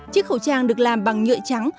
chiếc khẩu trang được làm bằng nhựa trắng